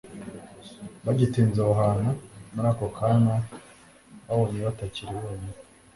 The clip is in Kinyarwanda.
Bagitinze aho hantu muri ako kanya babona batakiri bonyine.